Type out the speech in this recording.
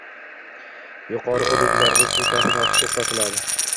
Yqori hududlarida suv taʼminoti toʻxtatiladi